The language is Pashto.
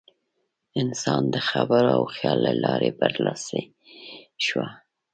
انسان د خبرو او خیال له لارې برلاسی شو.